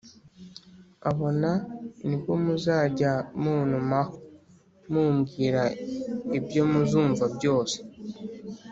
Abo ni bo muzajya muntumaho, mumbwira ibyo muzumva byose.